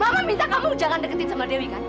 kamu minta kamu jangan deketin sama dewi kan